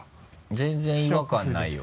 全然違和感ないよ。